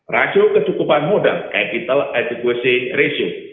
rasio kedukupan modal capital adequacy ratio